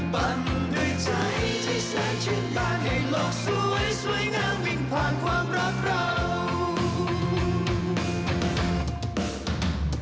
บันด้วยใจที่แสนฉันบ้านให้โลกสวยสวยงามวิ่งผ่านความรักเรา